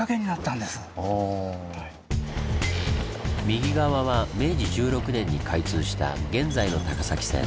右側は明治１６年に開通した現在の高崎線。